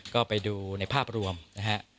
ก็ไปดูในภาพรวมนะฮะ